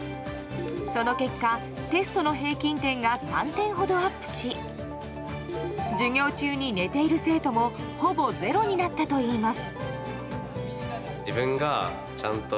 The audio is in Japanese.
その結果、テストの平均点が３点ほどアップし授業中に寝ている生徒もほぼゼロになったといいます。